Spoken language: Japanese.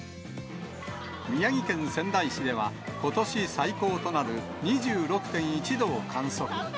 宮城県仙台市では、ことし最高となる２６．１度を観測。